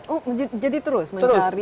oh jadi terus mencari